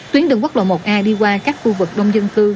tuyến đường quốc lộ một a đi qua các khu vực đông dân cư